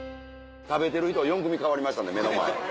食べてる人４組替わりましたんで目の前。